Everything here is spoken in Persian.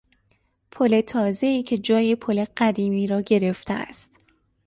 پل تازهای که جای پل قدیمی را گرفته است